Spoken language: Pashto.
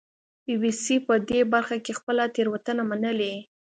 بي بي سي په دې برخه کې خپله تېروتنه منلې